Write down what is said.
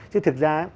chứ thực ra